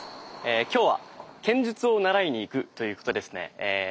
今日は剣術を習いにいくということですね。